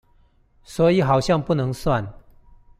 所以好像不能算